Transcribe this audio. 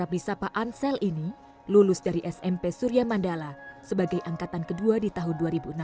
abdi sapa ansel ini lulus dari smp surya mandala sebagai angkatan kedua di tahun dua ribu enam belas